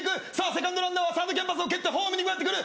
セカンドランナーはサードキャンバスを蹴ってホームに向かってくる！